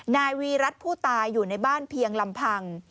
นายวีรัติผู้ตายอยู่ในบ้านเพียงลำพัง